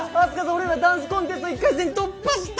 俺らダンスコンテスト１回戦突破した！